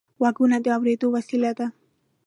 غوږونه د اورېدلو وسیله ده